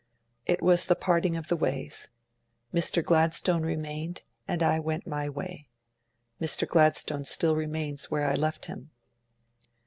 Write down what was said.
It was the parting of the ways. Mr. Gladstone remained; and I went my way. Mr. Gladstone still remains where I left him.'